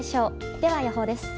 では、予報です。